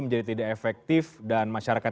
menjadi tidak efektif dan masyarakat